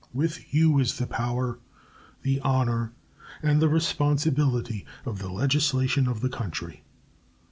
With you is the power, the honor, and the responsibility of the legislation of the country.